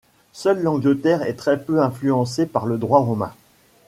Seule l'Angleterre est très peu influencée par le droit romain.